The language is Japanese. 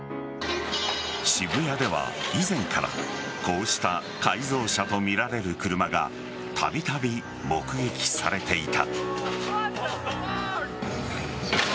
渋谷では以前からこうした改造車とみられる車がたびたび目撃されていた。